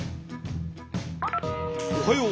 おはよう。